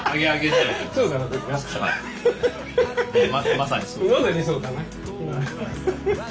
まさにそうだね。